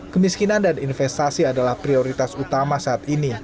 kemiskinan dan investasi adalah prioritas utama saat ini